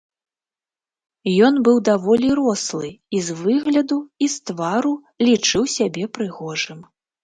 Ён быў даволі рослы і з выгляду і з твару лічыў сябе прыгожым.